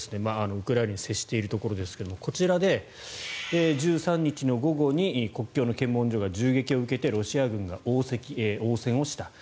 ウクライナに接しているところですがこちらで１３日の午後に国境の検問所が銃撃を受けてロシア軍が応戦をしたと。